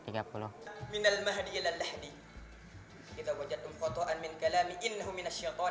dari al mahdi ke al lahdi